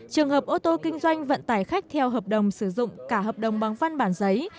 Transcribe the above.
trường hợp ô tô kinh doanh vận tải khách theo hợp đồng sử dụng cả hợp đồng bằng văn bản giấy